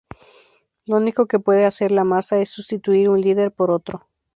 Lo único que puede hacer la masa es sustituir un líder por otro.